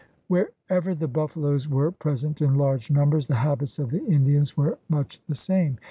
Wherever the buffaloes were present in large numbers, the habits of the Indians were much the same.